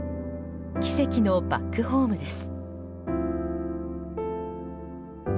奇跡のバックホームです。